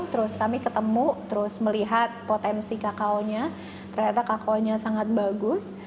terus kami ketemu terus melihat potensi kakaonya ternyata kakaonya sangat bagus